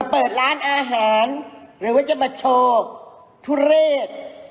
เปิดร้านอาหารหรือว่าจะมาโชว์ทุเรศ